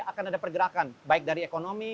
akan ada pergerakan baik dari ekonomi